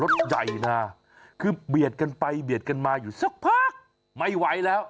รถใหญ่นะคือเบียดกันไปเบียดกันมาอยู่สักพักไม่ไหวแล้ว